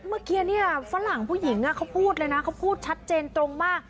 เมื่อกี้เนี่ยฝรั่งผู้หญิงเขาพูดเลยนะเขาพูดชัดเจนตรงมาก